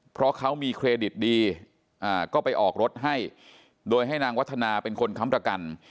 เพราะเขามีเครดิตดีก็ไปออกรถให้โดยให้นางวัฒนาเป็นคนค้ำประกัน